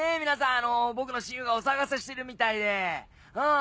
あの僕の親友がお騒がせしてるみたいでうん。